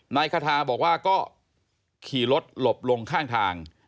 นายคาทาบอกว่าก็ขี่รถหลบลงข้างทาง